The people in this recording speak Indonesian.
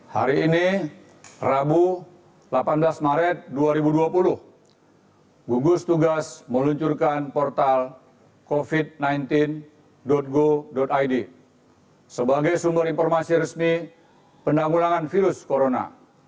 hari ini rabu delapan belas maret dua ribu dua puluh gugus tugas meluncurkan portal covid sembilan belas go id sebagai sumber informasi resmi penanggulangan virus corona